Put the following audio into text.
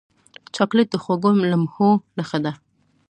چاکلېټ د خوږو لمحو نښه ده.